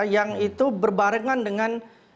yang itu berbarengan dengan